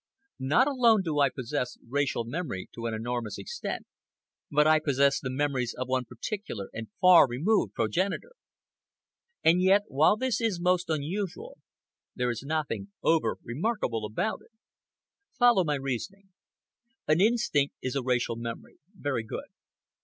Not alone do I possess racial memory to an enormous extent, but I possess the memories of one particular and far removed progenitor. And yet, while this is most unusual, there is nothing over remarkable about it. Follow my reasoning. An instinct is a racial memory. Very good.